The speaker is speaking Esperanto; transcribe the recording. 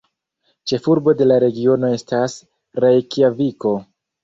Ĉefurbo de la regiono estas Rejkjaviko.